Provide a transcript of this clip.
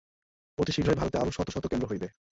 অতি শীঘ্রই ভারতে আরও শত শত কেন্দ্র হইবে।